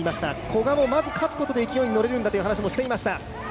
古賀もまず勝つことで勢いに乗れるんだという話をしていました。